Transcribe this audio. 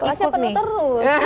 kelasnya penuh terus